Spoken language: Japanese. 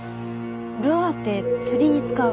ルアーって釣りに使う？